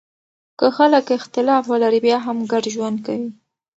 که خلګ اختلاف ولري بیا هم ګډ ژوند کوي.